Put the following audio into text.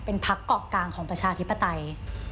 เป็นพักเกาะกลางของประชาธิปไตย